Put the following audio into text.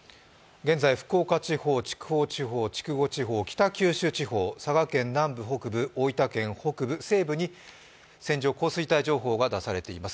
現在、福岡地方、筑豊地方筑後地方、北九州地方、佐賀県南部、北部、大分県北部、西部に線状降水帯発生情報が出ています。